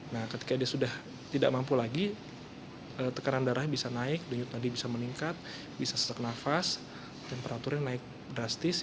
nah ketika dia sudah tidak mampu lagi tekanan darahnya bisa naik denyut nadi bisa meningkat bisa sesak nafas temperaturnya naik drastis